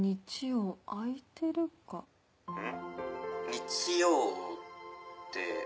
日曜って。